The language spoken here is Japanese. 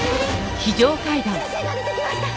先生が出てきました！